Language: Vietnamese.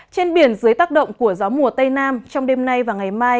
trên biển dưới tác động của gió mùa tây nam trong đêm nay và ngày mai